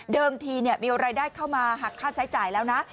เดิมทีเนี่ยมีรายได้เข้ามาหักค่าใช้จ่ายแล้วนะ